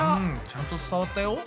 ちゃんと伝わったよ。